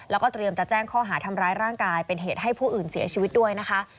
แล้วก็เตรียมจะแจ้งข้อหาทำร้ายร่างกายเป็นเหตุให้ผู้อื่นเสียชีวิตด้วยนะคะ